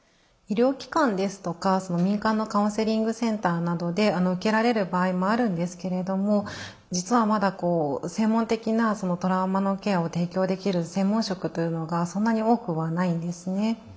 医療機関ですとか民間のカウンセリングセンターなどで受けられる場合もあるんですけれども実はまだ専門的なトラウマのケアを提供できる専門職というのがそんなに多くはないんですね。